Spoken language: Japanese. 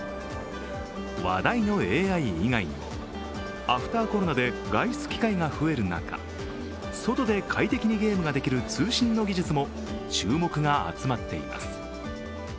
話題のＡＩ以外にもアフター・コロナで外出機会が増える中外で快適にゲームができる通信の技術も注目が集まっています。